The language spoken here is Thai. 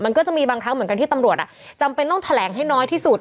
มันก็จะมีบางครั้งเหมือนกันที่ตำรวจจำเป็นต้องแถลงให้น้อยที่สุด